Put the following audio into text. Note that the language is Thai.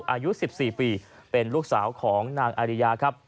อายุ๑๔ปีเป็นลูกสาวของนางอาริยาครับ